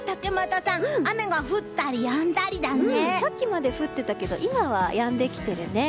さっきまで降ってたけど今はやんできているね。